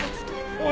おい！